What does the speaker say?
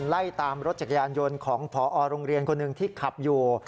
ไล่ตามรถจักรยานยนต์ของพอโรงเรียนคนหนึ่งที่ขับอยู่